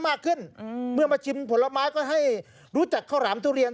มากขึ้นเมื่อมาชิมผลไม้ก็ให้รู้จักข้าวหลามทุเรียน